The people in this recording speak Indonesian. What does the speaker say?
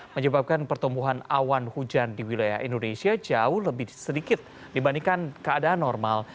menyebabkan pertumbuhan awan hujan di wilayah indonesia jauh lebih sedikit dibandingkan keadaan normal